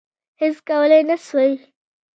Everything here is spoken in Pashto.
هیڅ کولای نه سوای.